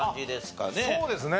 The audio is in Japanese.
そうですね。